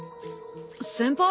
先輩？